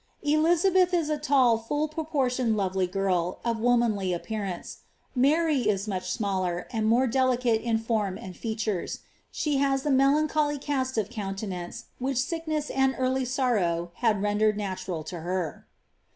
Elizabeth is a tall, full proportioned, lovely girl, of womanly appt'ar anre. Marv is much smaller, and more delicate in form and features: she has the nu'lancli(»lv cast <»f countenance which sickness and eariV m fiorrow had rendered natural to her.